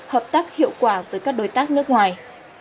hợp tác hiệu quả với các đối tác nước ngoài